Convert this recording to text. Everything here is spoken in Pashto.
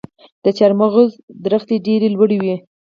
د چهارمغز ونې ډیرې لوړې وي.